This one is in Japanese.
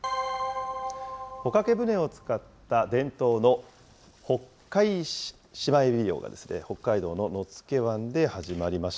帆掛け船を使った伝統のホッカイシマエビ漁が北海道の野付湾で始まりました。